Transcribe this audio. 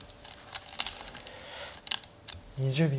２０秒。